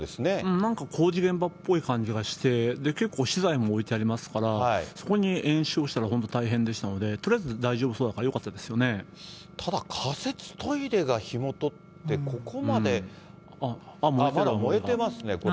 なんか工事現場っぽい感じがして、結構、資材も置いてありますから、そこに延焼したら、本当大変でしたので、とりあえず大丈ただ、仮設トイレが火元って、ここまで、あっ、まだ燃えてますね、これ。